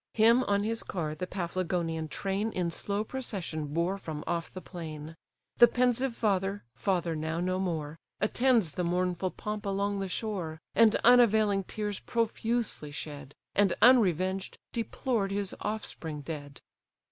Him on his car the Paphlagonian train In slow procession bore from off the plain. The pensive father, father now no more! Attends the mournful pomp along the shore; And unavailing tears profusely shed; And, unrevenged, deplored his offspring dead.